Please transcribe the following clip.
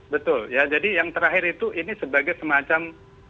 betul ya jadi yang terakhir itu ini sebagai semacam